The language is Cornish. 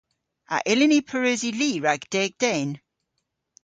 A yllyn ni pareusi li rag deg den?